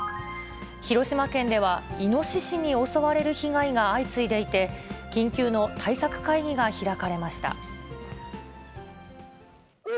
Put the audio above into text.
広島県では、イノシシに襲われる被害が相次いでいて、緊急の対策会議が開かれました。